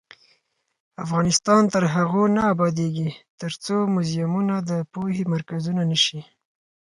افغانستان تر هغو نه ابادیږي، ترڅو موزیمونه د پوهې مرکزونه نشي.